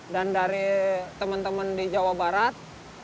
dari teman teman di jawa barat